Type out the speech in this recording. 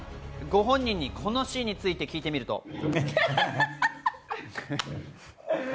ご本人にこのシーンについて聞いてみると。